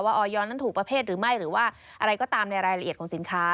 ออยนั้นถูกประเภทหรือไม่หรือว่าอะไรก็ตามในรายละเอียดของสินค้า